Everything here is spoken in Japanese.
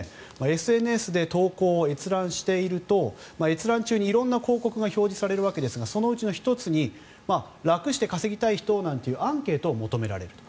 ＳＮＳで投稿を閲覧していると閲覧中に色んな広告が表示されるわけですがそのうちの１つに楽して稼ぎたい人なんていうアンケートを求められると。